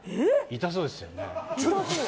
痛そうですよね。